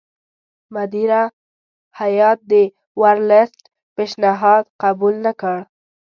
مدیره هیات د ورلسټ پېشنهاد قبول نه کړ.